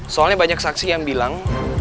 soalnya banyak saksi yang bilang